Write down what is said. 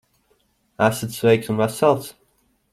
Esat sveiks un vesels?